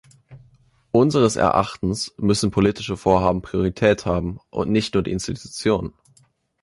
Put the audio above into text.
Unseres Erachtens müssen politische Vorhaben Priorität haben und nicht nur die Institutionen.